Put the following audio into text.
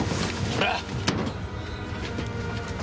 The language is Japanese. ほら。